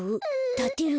たてる？